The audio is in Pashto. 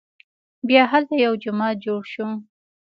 بیا هلته یو جومات جوړ شو.